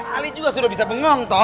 ale juga sudah bisa bengong toh